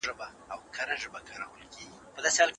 نظريې بدلون موند.